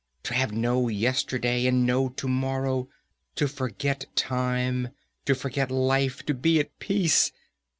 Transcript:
To have no yesterday, and no to morrow. To forget time, to forget life, to be at peace.